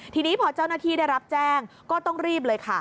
ทีนี้พอเจ้าหน้าที่ได้รับแจ้งก็ต้องรีบเลยค่ะ